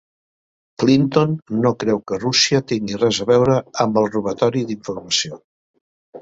Clinton no creu que Rússia tingui res a veure amb el robatori d'informació